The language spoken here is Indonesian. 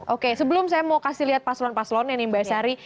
oke sebelum saya mau kasih lihat paslon paslonnya nih mbak sari